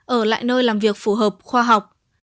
ở lại nơi làm việc phù hợp khoa học